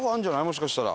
もしかしたら。